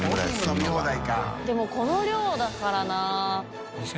村重）でもこの量だからな。沢村）